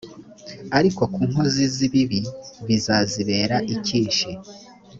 ariko ku nkozi z ibibi bizazibera icyishi